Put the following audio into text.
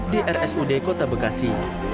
di rsud kota bekasi